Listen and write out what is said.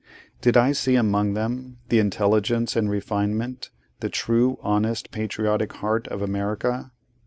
Did I see among them, the intelligence and refinement: the true, honest, patriotic heart of America?